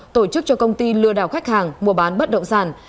tổ chức cho công ty lừa đảo khách hàng mua bán bất động sản